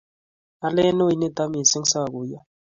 alen ui nitok mising' sa guyo